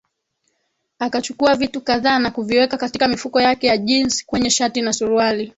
Akachukua vitu kadhaa na kuviweka katika mifuko yake ya jeans kwenye shati na suruali